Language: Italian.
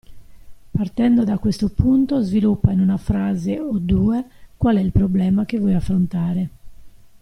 Partendo da questo punto, sviluppa in una frase o due qual è il problema che vuoi affrontare.